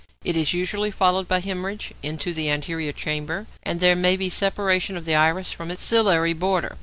It is usually followed by hæmorrhage into the anterior chamber, and there may be separation of the iris from its ciliary border.